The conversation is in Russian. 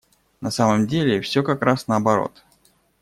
На самом деле все как раз наоборот.